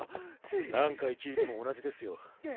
何回聞いても同じですよ。